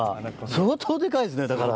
相当デカいですねだから。